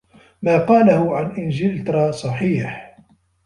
ما قاله عن إنجلترا صحيح.